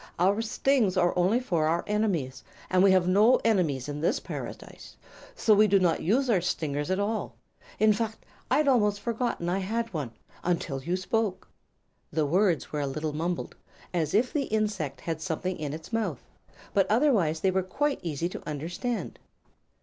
"Our stings are only for our enemies, and we have no enemies in this Paradise; so we do not use our stingers at all. In fact, I'd almost forgotten I had one, until you spoke." The words were a little mumbled, as if the insect had something in its mouth, but otherwise they were quite easy to understand.